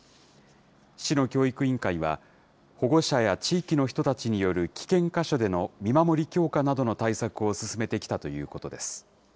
市の教育委員会は、保護者や地域の人たちによる危険箇所での見守り強化などの対策を進めてきたということです。